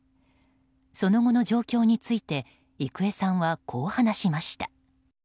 その後の状況について郁恵さんは、こう話しました。